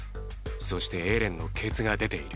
そしてエレンのケツが出ている。